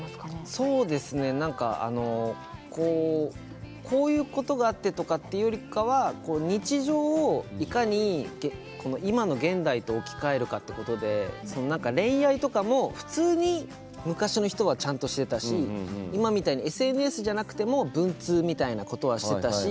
そうですねこういうことがあってとかっていうよりかは日常をいかに今の現代と置き換えるかってことで恋愛とかも普通に昔の人はちゃんとしてたし今みたいにＳＮＳじゃなくても文通みたいなことはしてたし。